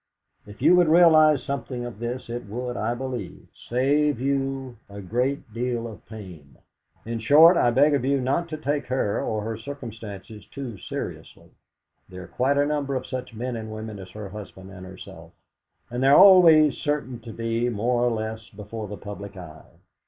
If you would realise something of this, it would, I believe, save you a great deal of pain. In short, I beg of you not to take her, or her circumstances, too seriously. There are quite a number of such men and women as her husband and herself, and they are always certain to be more or less before the public eye.